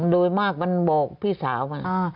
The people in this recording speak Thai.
โดยมากมันบอกพี่สาวมัน